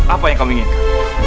apa yang kamu inginkan